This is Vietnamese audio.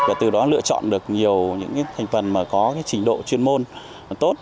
và từ đó lựa chọn được nhiều thành phần có trình độ chuyên môn tốt